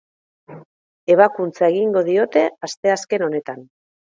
Ebakuntza egingo diote asteazken honetan.